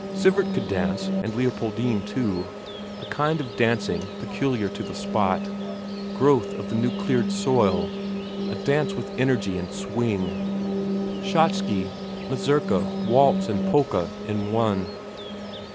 Sivert could dance, and Leopoldine too; a kind of dancing peculiar to the spot, growth of the new cleared soil; a dance with energy and swing: schottische, mazurka, waltz and polka in one.